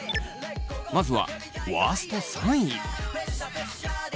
まずはワースト３位。